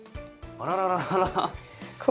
あららららら。